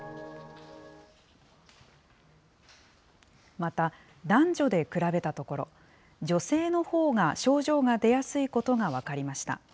また、男女で比べたところ、女性のほうが症状が出やすいことが分かりました。